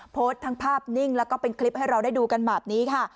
โพสต์ทั้งภาพนิ่งแล้วก็เป็นคลิปให้เราได้ดูกันแบบนี้ค่ะ